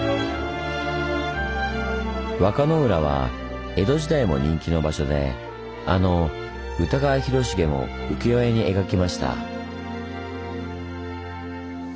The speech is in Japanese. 和歌の浦は江戸時代も人気の場所であの歌川広重も浮世絵に描きました。